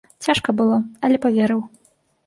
Цяжка было, але паверыў.